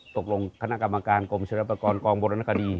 ตกลงคณะกรรมการกรมเฉลี่ยปรากรกองบรรณคดี